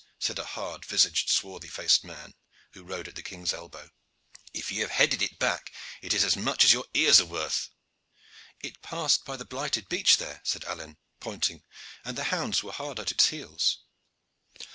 said a hard visaged, swarthy faced man, who rode at the king's elbow. "If ye have headed it back it is as much as your ears are worth." "It passed by the blighted beech there," said Alleyne, pointing, "and the hounds were hard at its heels."